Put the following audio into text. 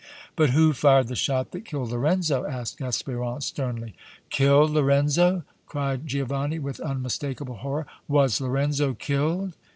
"But who fired the shot that killed Lorenzo?" asked Espérance, sternly. "Killed Lorenzo!" cried Giovanni, with unmistakable horror. "Was Lorenzo killed?"